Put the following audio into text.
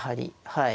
はい。